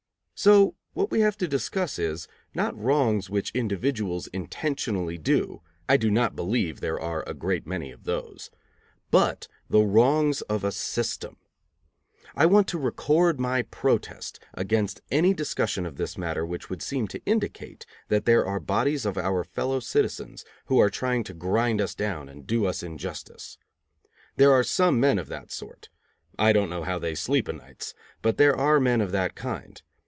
So what we have to discuss is, not wrongs which individuals intentionally do, I do not believe there are a great many of those, but the wrongs of a system. I want to record my protest against any discussion of this matter which would seem to indicate that there are bodies of our fellow citizens who are trying to grind us down and do us injustice. There are some men of that sort. I don't know how they sleep o' nights, but there are men of that kind.